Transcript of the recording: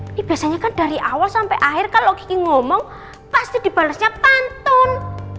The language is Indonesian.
ini biasanya kan dari awal sampe akhir kalo kiki ngomong pasti dibalasnya pantun